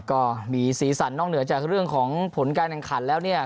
ก็มีสีสันนอกเหนือจากเรื่องของผลการแข่งขันแล้วเนี่ย